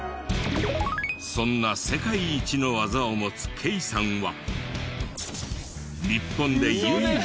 そんな世界一の技を持つＫａｙさんは。